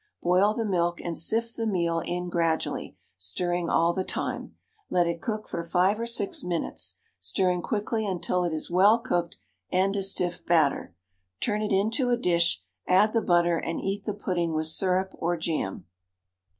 Boil the milk and sift the meal in gradually, stirring all the time; let it cook for 5 or 6 minutes, stirring quickly until it is well cooked and a stiff batter; turn it into a dish, add the butter, and eat the pudding with syrup or jam.